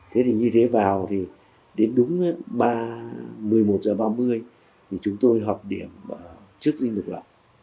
thế thì như thế vào thì đến đúng một mươi một h ba mươi thì chúng tôi họp điểm trước dinh lực lập lại